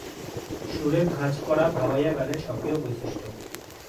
সুরে ভাঁজ পড়া ভাওয়াইয়া গানের স্বকীয় বৈশিষ্ট্য।